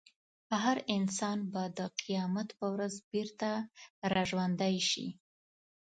هر انسان به د قیامت په ورځ بېرته راژوندی شي.